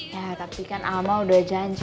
ya tapi kan alma udah janji